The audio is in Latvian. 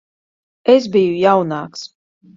Es biju jaunāks.